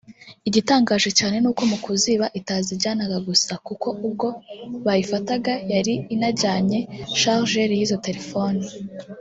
Igitangaje cyane ni uko mukuziba itazijyana gusa kuko ubwo bayifataga yari inajyanye ‘charger’ y’izo telephone